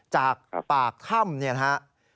จากปากข้ำเนี่ยฮะ